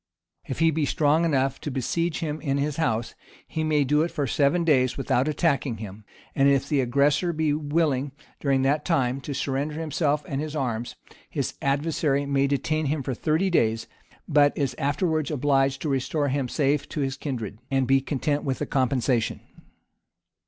If he be strong enough to besiege him in his house, he may do it for seven days without attacking him; and if the aggressor be a willing, during that time, to surrender himself and his arms, his, adversary may detain him thirty days, but is afterwards obliged to restore him safe to his kindred, "and be content with the compensation."